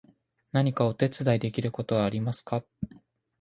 何かお手伝いできることはありますか？